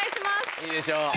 いいでしょう。